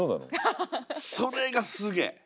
それがすげえ。